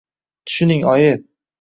Tushuning, oyi